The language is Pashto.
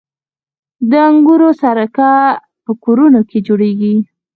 د انګورو سرکه په کورونو کې جوړیږي.